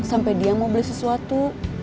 sampai dia mau beli sesuatu